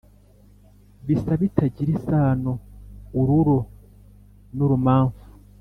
Bisa bitagira isano-Ururo n'urumamfu.